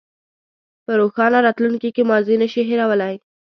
په روښانه راتلونکي کې ماضي نه شئ هېرولی.